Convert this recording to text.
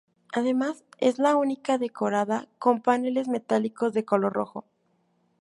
Además, es la única decorada con paneles metálicos de color rojo.